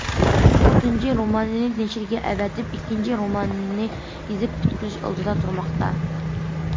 ئۇ تۇنجى رومانىنى نەشرگە ئەۋەتىپ، ئىككىنچى روماننى يېزىپ پۈتكۈزۈش ئالدىدا تۇرماقتا.